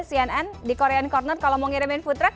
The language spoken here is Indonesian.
cnn di korean corner kalau mau ngirimin food truck